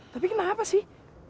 tapi kenapa sih